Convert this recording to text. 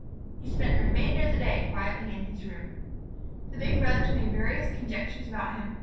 He spent the remainder of the day quietly in his room. The big brothers made various conjectures about him.